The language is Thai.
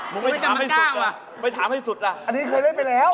มึงไม่ถามให้สุดล่ะอันนี้เคยเล่นไปแล้ว